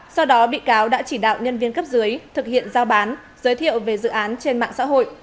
sau đó bị cáo đã chỉ đạo nhân viên cấp dưới thực hiện giao bán giới thiệu về dự án trên mạng xã hội